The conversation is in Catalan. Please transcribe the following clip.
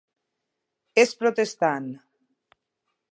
És protestant.